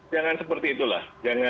jangan seperti itulah